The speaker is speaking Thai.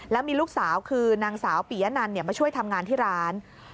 แล้วมีลูกสาวคือนางสาวปียะนันมาช่วยทำงานที่ร้าน